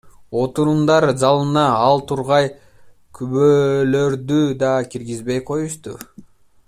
Отурумдар залына ал тургай күбөлөрдү да киргизбей коюшту!